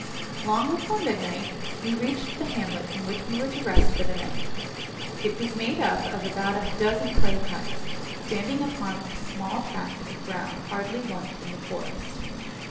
Long before midnight we reached the hamlet in which we were to rest for the night; it was made up of about a dozen clay huts, standing upon a small tract of ground hardly won from the forest.